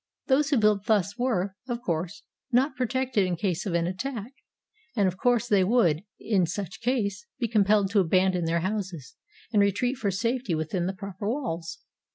Those who built thus were, of course, not protected in case of an attack, and of course they would, in such case, be compelled to abandon their houses, and retreat for safety within the proper walls.